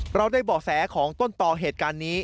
เราได้เบาะแสของต้นต่อเหตุการณ์นี้